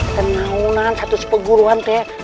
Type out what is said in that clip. kenang ngunan satu spengguruan tersgitu